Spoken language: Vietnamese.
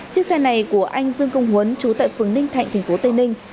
chiếc xe này của anh dương công huấn chú tại phường ninh thạnh thành phố tây ninh